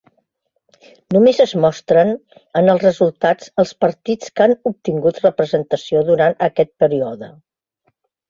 Només es mostren en els resultats els partits que han obtingut representació durant aquest període.